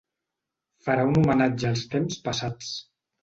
Farà un homenatge als temps passats.